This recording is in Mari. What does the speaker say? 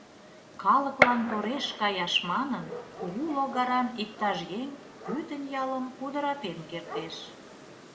Калыклан тореш каяш!» манын, кугу логаран иктаж еҥ пӱтынь ялым пудыратен кертеш.